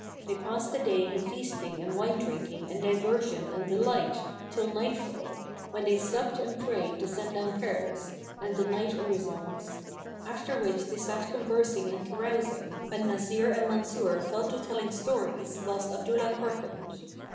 They passed the day in feasting and wine drinking and diversion and delight till night fall, when they supped and prayed the sundown prayers, and the night orisons; after which they sat conversing and carousing, and Nasir and Mansur fell to telling stories whilst Abdullah hearkened.